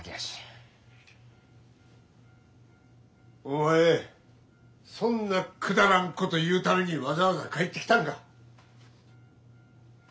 お前そんなくだらんこと言うためにわざわざ帰ってきたんか。